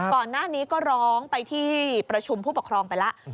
ก่อนหน้านี้ก็ร้องไปที่ประชุมผู้ปกครองไปแล้ว